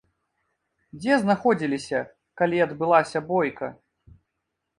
Дзе знаходзіліся, калі адбылася бойка?